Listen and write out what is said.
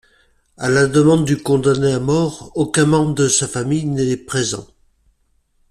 À la demande du condamné à mort, aucun membre de sa famille n'est présent.